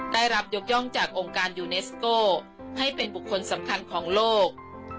ได้รับยกย่องจากองค์การยูเนสโก้ให้เป็นบุคคลสำคัญของโลก